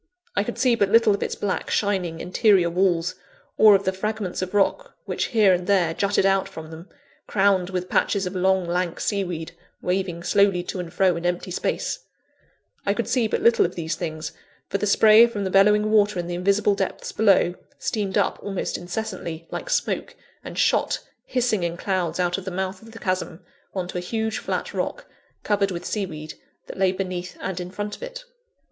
I could see but little of its black, shining, interior walls, or of the fragments of rock which here and there jutted out from them, crowned with patches of long, lank, sea weed waving slowly to and fro in empty space I could see but little of these things, for the spray from the bellowing water in the invisible depths below, steamed up almost incessantly, like smoke, and shot, hissing in clouds out of the mouth of the chasm, on to a huge flat rock, covered with sea weed, that lay beneath and in front of it.